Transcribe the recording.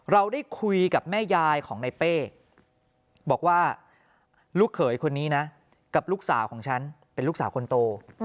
เราได้คุยกับแม่ยายของในเป้บอกว่าลูกเขยคนนี้นะกับลูกสาวของฉันเป็นลูกสาวคนโต